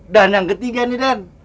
dan yang ketiga nih den